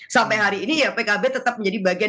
sampai hari ini ya pkb tetap menjadi bagian